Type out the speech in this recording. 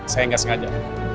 saya nggak sengaja